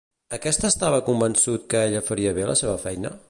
Aquest estava convençut que ella faria bé la seva feina?